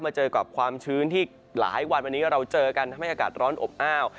เจอกับความชื้นที่หลายวันวันนี้เราเจอกันทำให้อากาศร้อนอบอ้าว